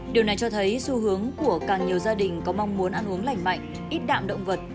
điều này cho thấy xu hướng của càng nhiều gia đình có mong muốn ăn uống lành mạnh ít đạm động vật